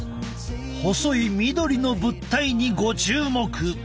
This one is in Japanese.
細い緑の物体にご注目。